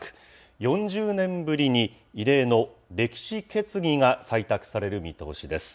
４０年ぶりに、異例の歴史決議が採択される見通しです。